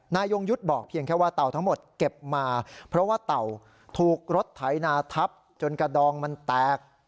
ยงยุทธ์บอกเพียงแค่ว่าเต่าทั้งหมดเก็บมาเพราะว่าเต่าถูกรถไถนาทับจนกระดองมันแตก